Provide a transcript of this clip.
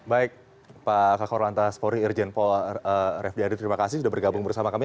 baik pak kak korlantas pori irjen pol refdihari terima kasih sudah bergabung bersama kami